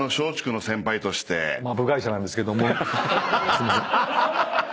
すいません。